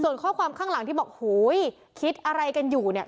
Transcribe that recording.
ส่วนข้อความข้างหลังที่บอกโหยคิดอะไรกันอยู่เนี่ย